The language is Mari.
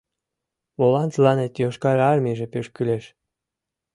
— Молан тыланет Йошкар Армийже пеш кӱлеш?